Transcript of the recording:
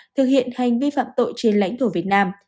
thực hiện hành vi phạm tội trên lãnh thổ việt nam